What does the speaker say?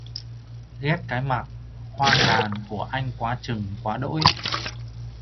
Ghét cái mặt hoang đàng của anh quá chừng quá đỗi